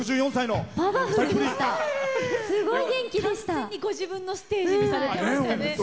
完全にご自分のステージにされてましたね。